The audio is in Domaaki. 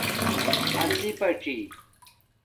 اڎپݳڅی